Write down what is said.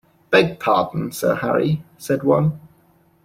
“Beg pardon, Sir Harry,” said one.